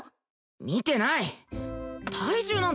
見てない！